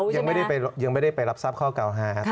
ยังไม่รู้เพราะยังไม่ได้ไปรับทราบข้อเก่าหา